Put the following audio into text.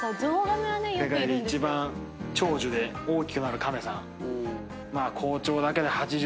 世界で一番長寿で大きくなるカメさん。